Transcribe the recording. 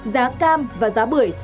giá cam và giá bưởi